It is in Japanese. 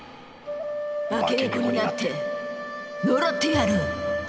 化け猫になって呪ってやる！